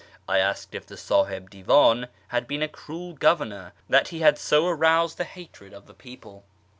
I asked if the Sdhih Divdn had been a cruel governor that he had so aroused the hatred of the people.